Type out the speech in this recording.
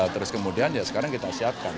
terus kemudian ya sekarang kita siapkan